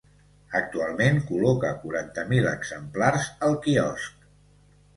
Actualment col·loca quaranta mil exemplars al quiosc.